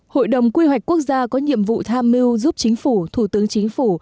hội đồng quy hoạch quốc gia có nhiệm vụ tham mưu giúp chính phủ thủ tướng chính phủ